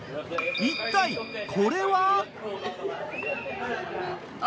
一体これは？